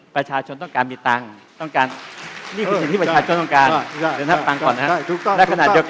ประชาชนต้องการมีตังค์ต้องการนี่คือสิ่งที่ประชาชนต้องการใช่ใช่ใช่